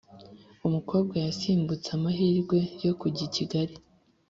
umukobwa yasimbutse amahirwe yo kujya i kigali